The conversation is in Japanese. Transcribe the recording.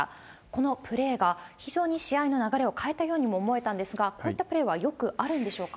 このプレーが非常に試合の流れを変えたようにも思えたんですが、こういったプレーはよくあるんでしょうか？